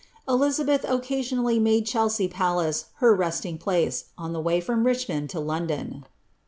Elizabeth occasionally made Chelsea palace her resting place, on t way from Richmond lo London.'